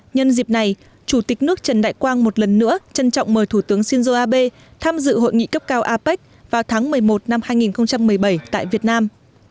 nhân dịp này chủ tịch nước trần đại quang một lần nữa trân trọng mời thủ tướng shinzo abe tham dự hội nghị cấp cao apec vào tháng một mươi một năm hai nghìn một mươi bảy tại việt nam